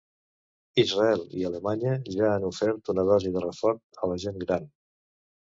Israel i Alemanya ja han ofert una dosi de reforç a la gent gran.